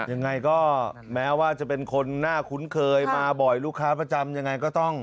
ยังไงก็แม้ว่าจะเป็นคนน่าคุ้นเคยมาบ่อยลูกค้าประจำยังไงก็ต้อง